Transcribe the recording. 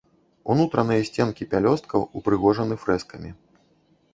Унутраныя сценкі пялёсткаў ўпрыгожаны фрэскамі.